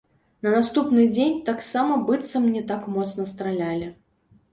На наступны дзень таксама быццам не так моцна стралялі.